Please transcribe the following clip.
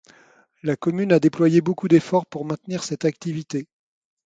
La commune a déployé beaucoup d'efforts pour maintenir cette activité.